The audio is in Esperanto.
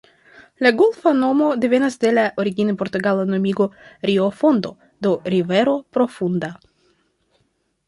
La golfa nomo devenas de la origine portugala nomigo "Rio Fondo", do "rivero profunda".